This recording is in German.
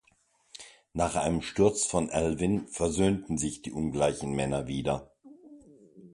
Nach einem Sturz von Alvin versöhnen sich die ungleichen Männer wieder.